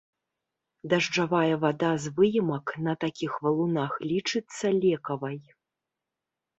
Дажджавая вада з выемак на такіх валунах лічыцца лекавай.